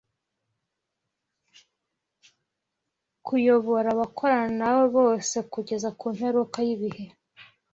kuyobora abakorana na we bose kugeza ku mperuka y’ibihe.